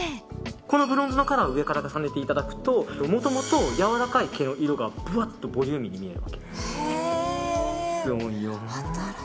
このブロンズのカラーを上から重ねていただくともともとやわらかい毛の色がぶわっとボリューミーに見える。